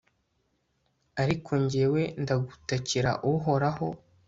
ariko jyewe, ndagutakira, uhoraho